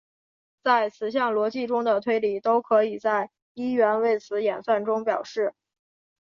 在词项逻辑中的推理都可以在一元谓词演算中表示。